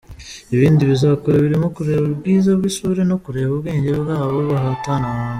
Ibindi bazakora birimo kureba ubwiza bw’isura no kureba ubwenge bw’abo bahatana.